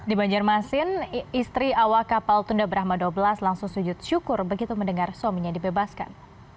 di banjarmasin istri awak kapal tunda brahma dua belas langsung sujud syukur begitu mendengar suaminya dibebaskan